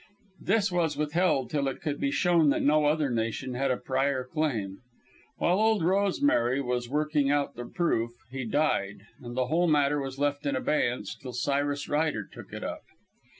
This was withheld till it could be shown that no other nation had a prior claim. While "Old Rosemary" was working out the proof, he died, and the whole matter was left in abeyance till Cyrus Ryder took it up.